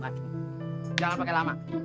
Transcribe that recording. jangan pakai lama